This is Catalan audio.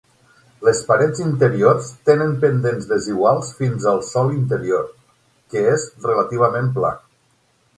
Les parets interiors tenen pendents desiguals fins al sòl interior, que és relativament pla.